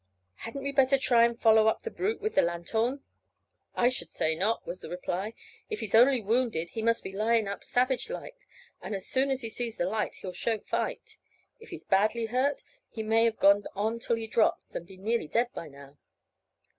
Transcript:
"Hadn't we better try and follow up the brute with the lanthorn?" "I should say not," was the reply. "If he's only wounded he must be lying up savage like, and as soon as he sees the light he'll show fight. If he's badly hurt he may have gone on till he drops, and be nearly dead by now."